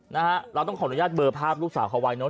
นะฮะเราต้องขออนุญาตเบอร์ภาพลูกสาวเขาไว้เนอ